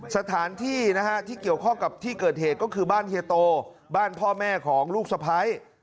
สถานที่นะฮะที่เกี่ยวข้องกับที่เกิดเหตุก็คือบ้านเฮียโตบ้านพ่อแม่ของลูกสะพ้าย